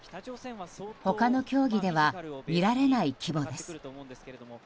他の競技では見られない規模です。